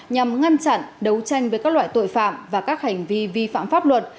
nhằm ngăn chặn đấu tranh với các loại tội phạm và các hành vi vi phạm pháp luật